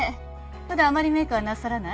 普段あまりメークはなさらない？